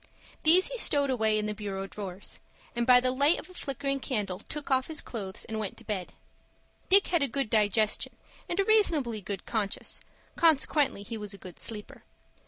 These he stowed away in the bureau drawers, and by the light of a flickering candle took off his clothes and went to bed. Dick had a good digestion and a reasonably good conscience; consequently he was a good sleeper.